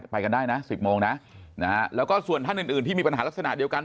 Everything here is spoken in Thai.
ไปกันได้นะ๑๐โมงนะแล้วก็ส่วนท่านอื่นที่มีปัญหาลักษณะเดียวกัน